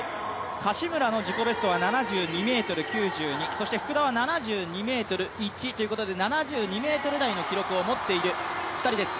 柏村の自己ベストは７２ｍ９２、そして福田は７２ｍ０１ということで７２ｍ台の記録を持っている２人です。